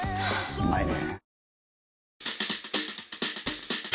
うまいねぇ。